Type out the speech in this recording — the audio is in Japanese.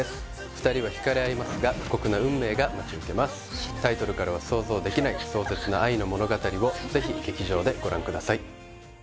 ２人はひかれ合いますが過酷な運命が待ち受けますタイトルからは想像できない壮絶な愛の物語をぜひ劇場でご覧ください